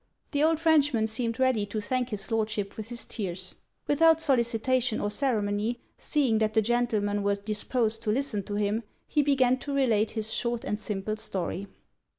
The old Frenchman seemed ready to thank his Lordship with his tears. Without solicitation or ceremony, seeing that the gentlemen were disposed to listen to him, he began to relate his 'short and simple' story.